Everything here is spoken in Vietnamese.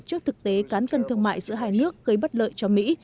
trước thực tế cán cân thương mại giữa hai nước gây bất lợi cho mỹ